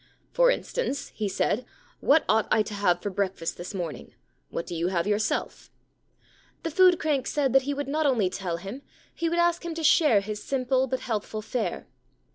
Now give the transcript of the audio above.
* For instance,' he said, * what ought I to have for breakfast this morning ? What do you have yourself ?* The food crank said that he would not only tell him ; he would ask him to share his simple but healthful fare.